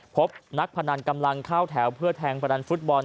พบนักพนันกำลังเข้าแถวเพื่อแทงพนันฟุตบอล